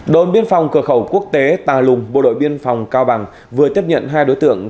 đồn biên phòng cửa khẩu quốc tế tà lùng bộ đội biên phòng cao bằng vừa tiếp nhận hai đối tượng